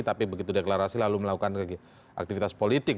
tapi begitu deklarasi lalu melakukan aktivitas politik